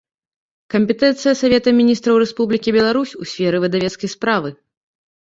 Кампетэнцыя Савета Мiнiстраў Рэспублiкi Беларусь у сферы выдавецкай справы